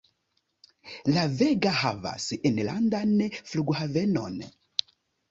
La Vega havas enlandan flughavenon.